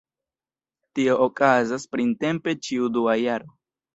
Tio okazas printempe ĉiu dua jaro.